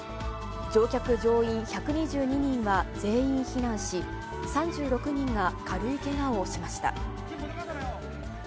乗客・乗員１２２人は全員避難し、３６人が軽いけがをしました。